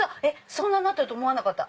そんななってると思わなかった！